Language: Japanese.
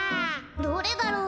どれだろう。